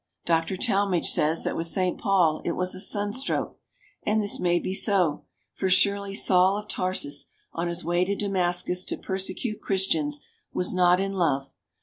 Doctor Talmage says that with Saint Paul it was a sunstroke, and this may be so, for surely Saul of Tarsus on his way to Damascus to persecute Christians was not in love.